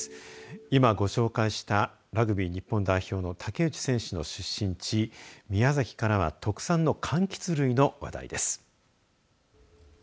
今ご紹介したラグビー日本代表の竹内選手の出身地宮崎からは特産のかんきつ類の話題です。